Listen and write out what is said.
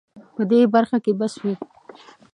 په دې برخه کې بس وي